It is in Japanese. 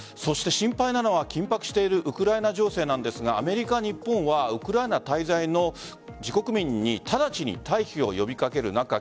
心配なのは緊迫しているウクライナ情勢なんですがアメリカ日本はウクライナ滞在の自国民に直ちに退避を呼び掛ける中